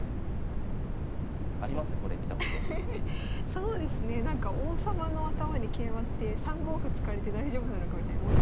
そうですねなんか王様の頭に桂馬って３五歩突かれて大丈夫なのかみたいに思っちゃいますけど。